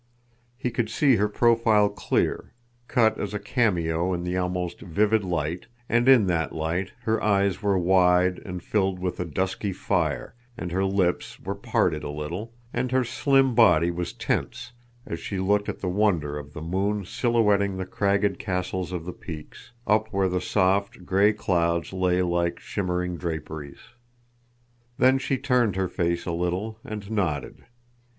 He could see her profile clear cut as a cameo in the almost vivid light, and in that light her eyes were wide and filled with a dusky fire, and her lips were parted a little, and her slim body was tense as she looked at the wonder of the moon silhouetting the cragged castles of the peaks, up where the soft, gray clouds lay like shimmering draperies. Then she turned her face a little and nodded.